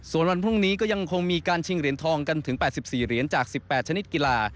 ส่วนวันพรุ่งนี้ก็ยังคงมีการชิงเหรียญทองกันถึง๘๔เหรียญจาก๑๘ชนิดกีฬา